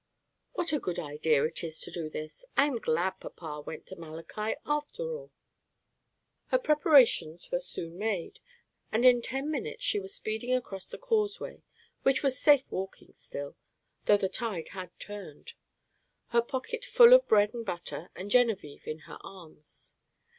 What a good idea it is to do this! I am glad papa went to Malachi, after all." Her preparations were soon made, and in ten minutes she was speeding across the causeway, which was safe walking still, though the tide had turned, her pocket full of bread and butter, and Genevieve in her arms.